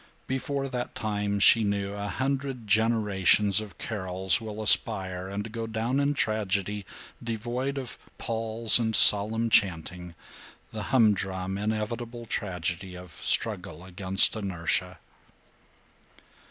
Before that time, she knew, a hundred generations of Carols will aspire and go down in tragedy devoid of palls and solemn chanting, the humdrum inevitable tragedy of struggle against inertia.